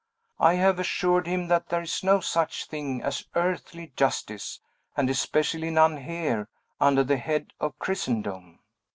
I have assured him that there is no such thing as earthly justice, and especially none here, under the head of Christendom."